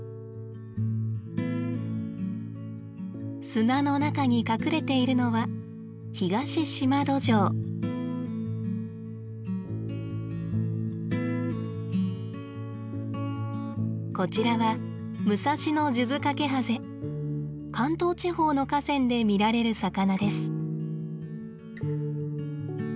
砂の中に隠れているのはこちらは関東地方の河川で見られる魚です。